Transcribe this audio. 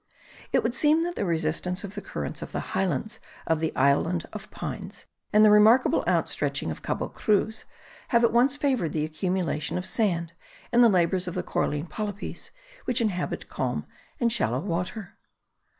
It would seem that the resistance of the currents of the highlands of the island of Pines, and the remarkable out stretching of Cabo Cruz, have at once favoured the accumulation of sand, and the labours of the coralline polypes which inhabit calm and shallow water.